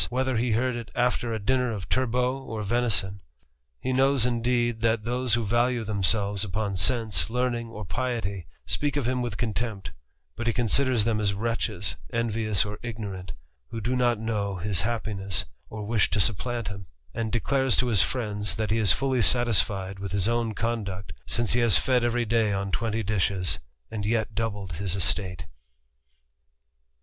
whether he heard it after a dinner of turbot or venis(HL^ He knows, indeed, that those who value themselves upocr: sense, learning, or piety, speak of him ¥rith contempt ; bo^a he considers them as wretches, envious or ignorant, who d^ not know his happiness, or ¥rish to supplant him ; an _ declares to his friends, that he is fully satisfied with his conduct, since he has fed every day on twenty dishes^ yet doubled his estate.